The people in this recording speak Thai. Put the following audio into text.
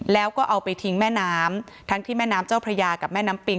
แล้วก็เอาไปทิ้งแม่น้ำทั้งที่แม่น้ำเจ้าพระยากับแม่น้ำปิง